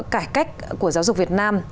cải cách của giáo dục việt nam